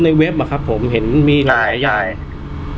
ในเว็บอ่ะครับผมเห็นมีหลายใช่ใช่อ่าพี่สนใจตัว